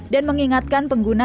dan mengingatkan penggunaan